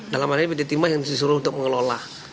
dalam hal ini pt timah yang disuruh untuk mengelola